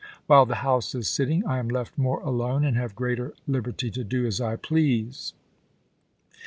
While the House is sitting I am left more alone, and have greater liberty to do as I please.